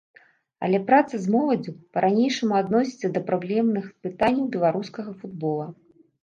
Але праца з моладдзю па-ранейшаму адносіцца да праблемных пытанняў беларускага футбола.